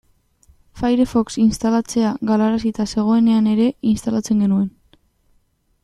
Firefox instalatzea galarazita zegoenean ere instalatzen genuen.